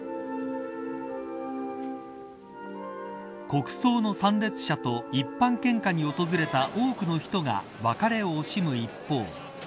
国葬の参列者と一般献花に訪れた多くの人が別れを惜しむ一方